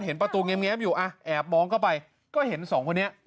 ประตูแง้มอยู่แอบมองเข้าไปก็เห็นสองคนนี้